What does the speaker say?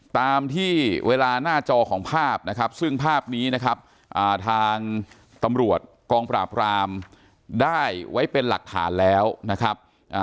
ตามที่เวลาหน้าจอของภาพนะครับซึ่งภาพนี้นะครับทางตำรวจกองปราบรามได้ไว้เป็นหลักฐานแล้วนะครับ